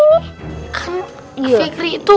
kan fikri itu